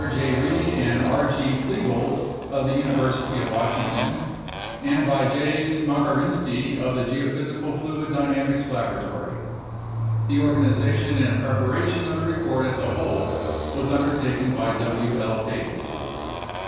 J. Reed and R. G. Fleagle of the University of Washington; and by J. Smagorinsky of the Geophysical Fluid Dynamics Laboratory. The organization and preparation of the report as a whole was undertaken by W. L. Gates.